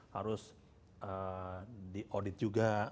harus di audit juga